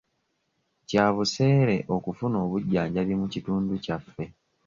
Kya buseere okufuna obujjanjabi mu kitundu kyaffe.